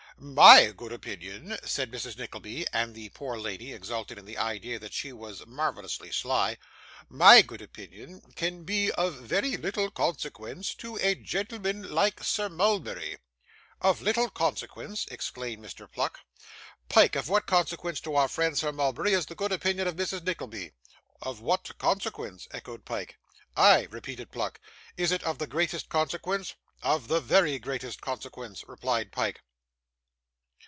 'MY good opinion,' said Mrs. Nickleby, and the poor lady exulted in the idea that she was marvellously sly, 'my good opinion can be of very little consequence to a gentleman like Sir Mulberry.' 'Of little consequence!' exclaimed Mr. Pluck. 'Pyke, of what consequence to our friend, Sir Mulberry, is the good opinion of Mrs. Nickleby?' 'Of what consequence?' echoed Pyke. 'Ay,' repeated Pluck; 'is it of the greatest consequence?' 'Of the very greatest consequence,' replied Pyke.